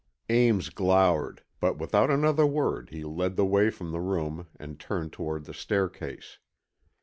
Ames glowered, but without another word he led the way from the room and turned toward the staircase.